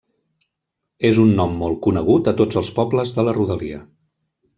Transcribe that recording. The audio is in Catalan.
És un nom molt conegut a tots els pobles de la rodalia.